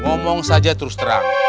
ngomong saja terus terang